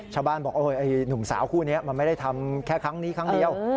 ชาวบ้านบอกหนุ่มสาวคู่นี้มันไม่ได้ทำแค่ครั้งนี้ครั้งเดียว